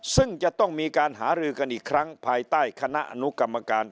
ซึ่งจะต้องมีการหารือกันอีกครั้งภายใต้คณะอนุกรรมการ